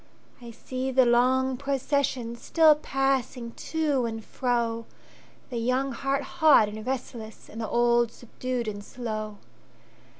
I see the long processionStill passing to and fro, The young heart hot and restless, And the old subdued and slow!